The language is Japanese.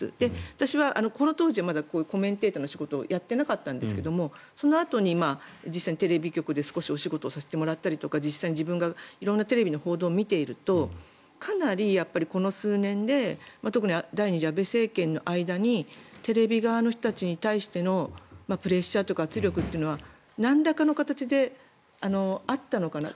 私はこの当時はコメンテーターの仕事をやっていなかったんですけどそのあとに実際にテレビ局で少しお仕事をさせてもらったりとか実際に自分が色んなテレビの報道を見ているとかなりこの数年で特に第２次安倍政権の間にテレビ側の人たちに対してのプレッシャーというか圧力というのはなんらかの形であったのかなと。